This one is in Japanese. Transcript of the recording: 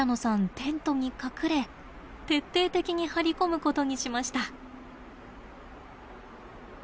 テントに隠れ徹底的に張り込むことにしました。